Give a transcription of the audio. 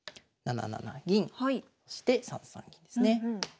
７七銀そして３三銀ですね。